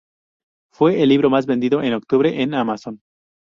Fue el libro más vendido en octubre en Amazon.